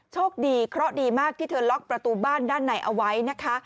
โชคดีเคราะห์ดีมากที่เธอล็อกประตูบ้านด้านในเอาไว้นะคะ